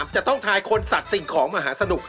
จะต้องทายคนสัตว์สิ่งของมหาสนุก